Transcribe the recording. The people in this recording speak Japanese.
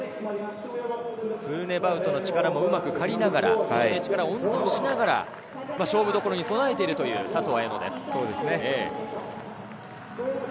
フルーネバウトの力もうまく借りながら力を温存しながら勝負どころに備えているという佐藤綾乃です。